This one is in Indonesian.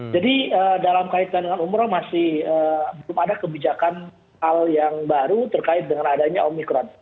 jadi dalam kaitan dengan umroh masih belum ada kebijakan hal yang baru terkait dengan adanya omicron